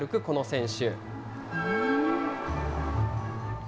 この選手。